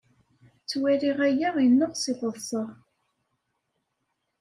Ttwaliɣ aya ineɣɣ seg teḍsa.